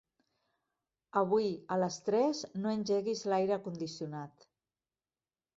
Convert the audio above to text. Avui a les tres no engeguis l'aire condicionat.